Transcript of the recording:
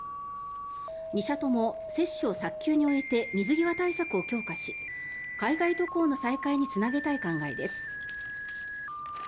２社とも接種を早急に終えて水際対策を強化し海外渡航の再開につなげたい考えです。